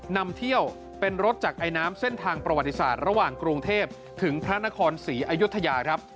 นำเที่ยวเป็นรถจากไอน้ำเส้นทางประวัติศาสตร์ระหว่างกรุงเทพถึงพระนครศรีอยุธยาครับ